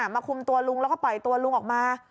มาคุมตัวลุงแล้วก็ปล่อยตัวลุงออกมา